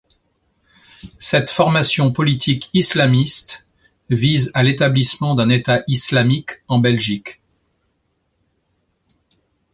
Cette formation politique islamiste vise à l'établissement d'un État islamique en Belgique.